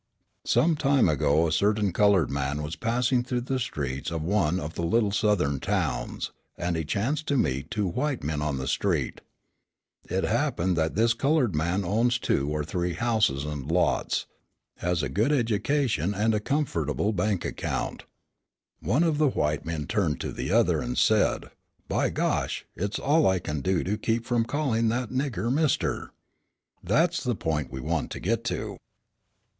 Some time ago a certain coloured man was passing through the streets of one of the little Southern towns, and he chanced to meet two white men on the street. It happened that this coloured man owns two or three houses and lots, has a good education and a comfortable bank account. One of the white men turned to the other, and said: "By Gosh! It is all I can do to keep from calling that 'nigger' Mister." That's the point we want to get to.